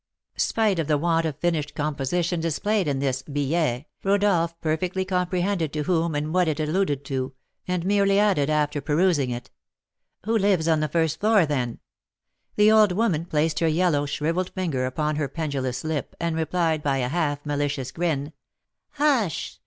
Spite of the want of finished composition displayed in this billet, Rodolph perfectly comprehended to whom and what it alluded, and merely added, after perusing it: "Who lives on the first floor, then?" The old woman placed her yellow, shrivelled finger upon her pendulous lip, and replied, by a half malicious grin: "Hush!